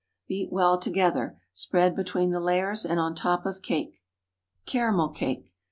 Beat well together, spread between the layers and on top of cake. CARAMEL CAKE.